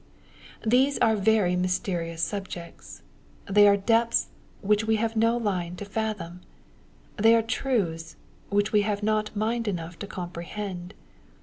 These are very mysterious sulgects. They are depths, which we have no line to fathom. They are truths, which we have not mind enough to comprehend.